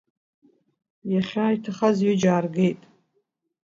Иахьа иҭахаз ҩыџьа ааргеит.